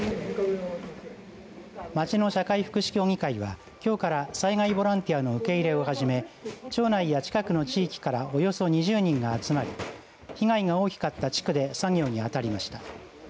町の社会福祉協議会はきょうから災害ボランティアの受け入れを始め町内や近くの地域からおよそ２０人が集まり被害が大きかった地区で作業に当たりました。